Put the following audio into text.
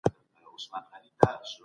خپل ځان له بدبختۍ څخه وساتئ.